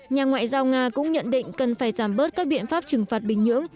nhà ngoại giao nga cũng nhận định cần phải giảm bớt các biện pháp trừng phạt bình nhưỡng